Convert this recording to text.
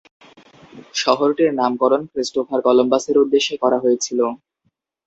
শহরটির নামকরণ ক্রিস্টোফার কলম্বাসের উদ্দেশ্যে করা হয়েছিল।